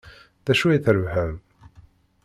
D acu ay d-trebḥem?